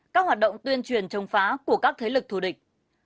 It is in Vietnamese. các hoạt động tuyên truyền chống phá của các thế lực thù địch